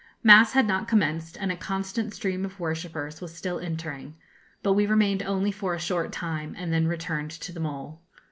Mass had not commenced, and a constant stream of worshippers was still entering; but we remained only for a short time, and then returned to the Mole.